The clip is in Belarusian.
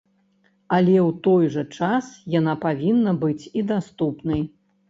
Але ў той жа час яна павінна быць і даступнай.